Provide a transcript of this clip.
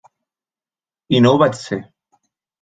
I no ho vaig ser.